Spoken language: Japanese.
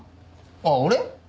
あっ俺？